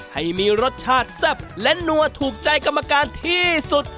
ให้มีรสชาติแซ่บและนัวถูกใจกรรมการที่สุด